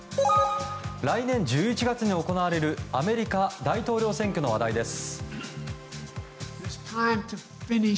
来年１１月に行われるアメリカ大統領選挙の話題です。